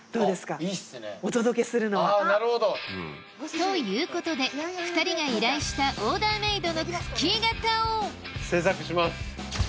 ということで２人が依頼したオーダーメイドのクッキー型を製作します。